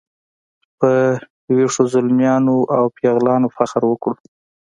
په ویښو زلمیانو او پیغلانو فخر وکړو.